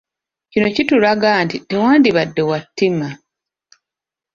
Kino kitulaga nti tewandibadde wa ttima.